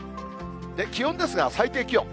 気温ですが、最低気温。